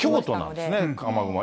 今、京都なんですね、雨雲は。